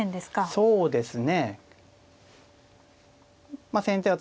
そうですね。